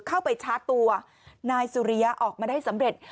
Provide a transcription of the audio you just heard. ชาร์จตัวนายสุริยะออกมาได้สำเร็จ